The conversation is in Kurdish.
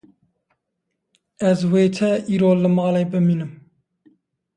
Ez vête îro li malê bimînim